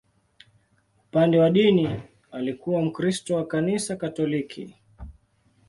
Upande wa dini, alikuwa Mkristo wa Kanisa Katoliki.